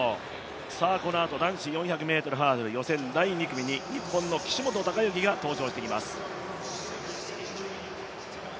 このあと男子４００ｍハードル予選第２組に日本の岸本鷹幸が登場してきます。